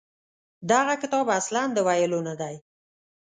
دغه کتاب اصلاً د ویلو نه دی.